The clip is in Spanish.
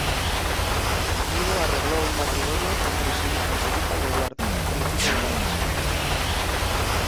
Guido arregló un matrimonio entre su hija Felipa y Eduardo, Príncipe de Gales.